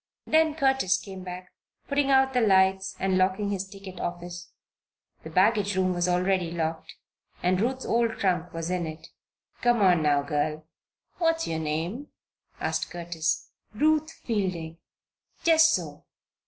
Then Curtis came back, putting out the lights and locking his ticket office. The baggage room was already locked and Ruth's old trunk was in it. "Come on now, girl What's your name?" asked Curtis. "Ruth Fielding." "Just so!